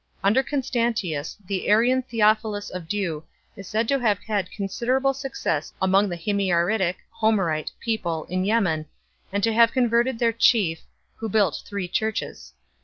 Under Constantius the Arian Theophilus of Diu is said 3 to have had considerable success among the Himyaritic (Homerite) people in Yemen, and to have converted their chief, who built three churches.